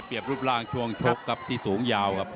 รูปร่างช่วงชกครับที่สูงยาวครับ